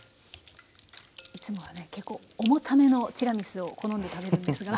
いつもはね結構重ためのティラミスを好んで食べるんですが。